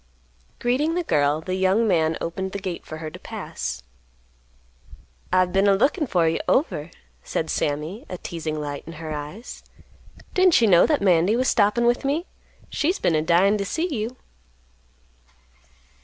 Greeting the girl the young man opened the gate for her to pass. "I've been a lookin' for you over," said Sammy, a teasing light in her eyes. "Didn't you know that Mandy was stoppin' with me? She's been a dyin' to see you."